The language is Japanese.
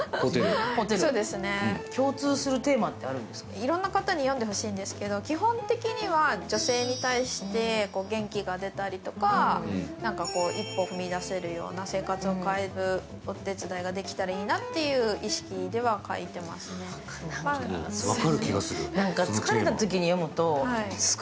いろんな方に読んでほしいんですけど、基本的には女性に対して、元気が出たりとか、一歩踏み出せるような生活を変えるお手伝いができたらいいなという意識では描いています。